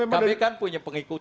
kami kan punya pengikut